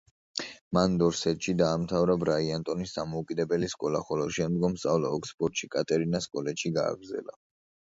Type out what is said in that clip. მან დორსეტში, დაამთავრა ბრაიანტონის დამოუკიდებელი სკოლა, ხოლო შემდგომ სწავლა ოქსფორდში, კატერინას კოლეჯში გააგრძელა.